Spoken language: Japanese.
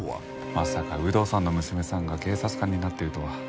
まさか有働さんの娘さんが警察官になってるとは。